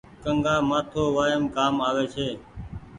ڪنگآ مآٿو وآئم ڪآم آوي ڇي۔